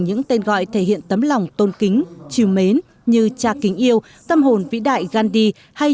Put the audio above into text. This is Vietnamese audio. những tên gọi thể hiện tấm lòng tôn kính chiều mến như cha kính yêu tâm hồn vĩ đại gandhi hay